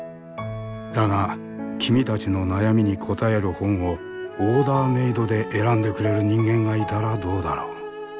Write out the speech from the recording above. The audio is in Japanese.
だが君たちの悩みに答える本をオーダーメードで選んでくれる人間がいたらどうだろう？